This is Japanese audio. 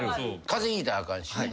風邪ひいたらあかんしね。